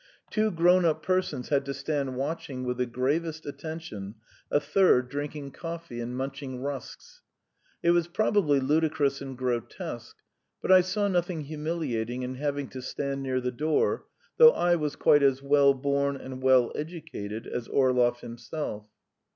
Two grown up persons had to stand watching with the gravest attention a third drinking coffee and munching rusks. It was probably ludicrous and grotesque, but I saw nothing humiliating in having to stand near the door, though I was quite as well born and well educated as Orlov himself.